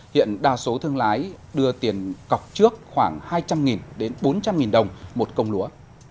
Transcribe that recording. hiện đa số thương lái đưa tiền cọc trước khoảng hai trăm linh đến bốn trăm linh đồng một công lúa